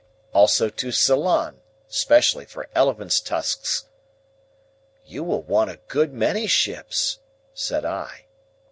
Also to Ceylon, especially for elephants' tusks." "You will want a good many ships," said I.